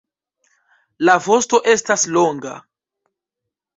La vosto estas longa.